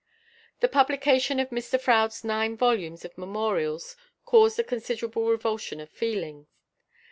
The publication of Mr Froude's nine volumes of memorials caused a considerable revulsion of feeling.